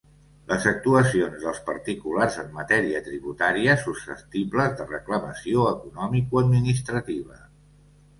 Les actuacions dels particulars en matèria tributària susceptibles de reclamació economicoadministrativa.